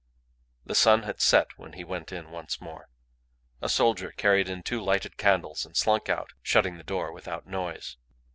The sun had set when he went in once more. A soldier carried in two lighted candles and slunk out, shutting the door without noise.